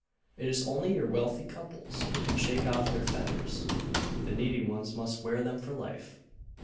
It is only your wealthy couples who can shake off their fetters the needy ones must wear them for life.